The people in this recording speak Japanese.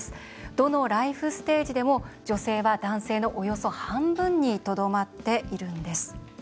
どのライフステージでも女性は、男性のおよそ半分にとどまっているんです。